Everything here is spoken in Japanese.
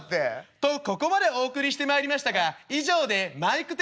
「とここまでお送りしてまいりましたが以上でマイクテストを終了します」。